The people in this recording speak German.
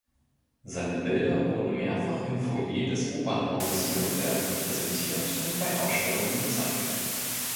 Seine Bilder wurden mehrfach im Foyer des Opernhauses Nürnberg präsentiert und bei Ausstellungen gezeigt.